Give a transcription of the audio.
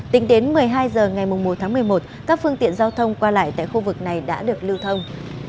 tính đến một mươi hai h ngày một tháng một mươi một các phương tiện giao thông qua lại tại khu vực này đã được lưu thông